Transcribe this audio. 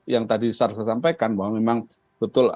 yang tadi saya sampaikan bahwa memang betul